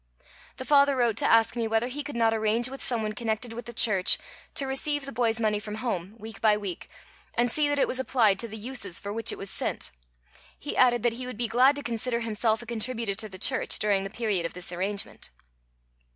The father wrote to ask me whether he could not arrange with some one connected with the church to receive the boy's money from home week by week, and see that it was applied to the uses for which it was sent. He added that he would be glad to consider himself a contributor to the church during the period of this arrangement.